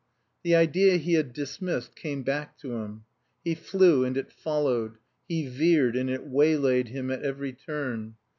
The idea he had dismissed came back to him. He flew and it followed; he veered and it waylaid him at every turn.